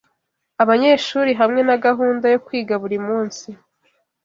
abanyeshuri hamwe na gahunda yo kwiga buri munsi